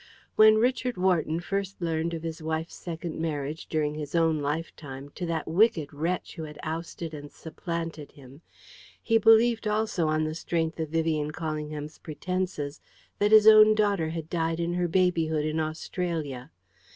When Richard Wharton first learned of his wife's second marriage during his own lifetime to that wicked wretch who had ousted and supplanted him, he believed also, on the strength of Vivian Callingham's pretences, that his own daughter had died in her babyhood in Australia.